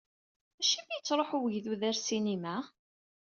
Acimi yettṛuhu wegdud ar ssinima?